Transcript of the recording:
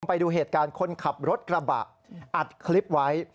ไปดูเหตุการณ์คนขับรถกระบะอัดคลิปไว้